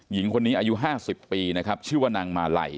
หญิงคนนี้อายุห้าสิบปีนะครับชื่อว่านางมาไหล่